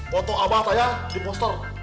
foto abah saya di poster